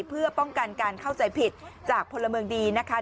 เพื่อป้องกันการเข้าใจผิดจากพลเมืองดีนะคะ